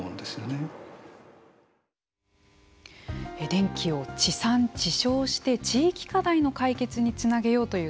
電気を地産地消して地域課題の解決につなげようという取り組み